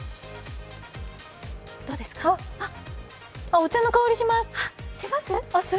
あっ、お茶の香りします。